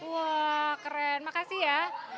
wah keren makasih ya